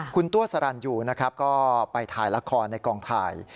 คุณตัวสรรยูนะครับก็ไปถ่ายละครในกองถ่าย